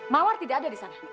mawar tidak ada di sana